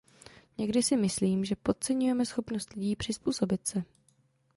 Někdy si myslím, že podceňujeme schopnost lidí přizpůsobit se.